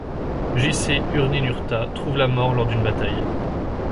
J-C, Ur-Ninurta trouve la mort lors d'une bataille.